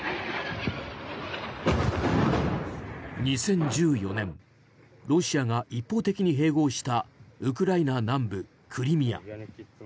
２０１４年ロシアが一方的に併合したウクライナ南部クリミア。